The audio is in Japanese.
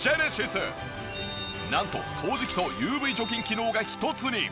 なんと掃除機とＵＶ除菌機能が一つに。